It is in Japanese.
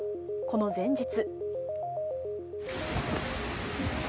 この前日。